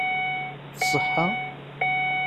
Tṣeḥḥa?